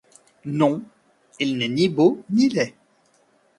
Non, il n’est ni beau ni laid.